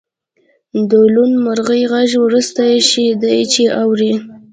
د لوون مرغۍ غږ وروستی شی دی چې اورئ